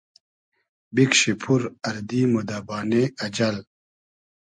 بیکشی پور اردی مۉ دۂ بانې اجئل